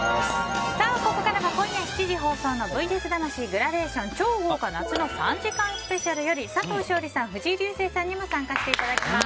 ここからは今夜７時放送の「ＶＳ魂グラデーション超豪華夏の３時間ＳＰ」より佐藤勝利さん、藤井流星さんにも参加していただきます。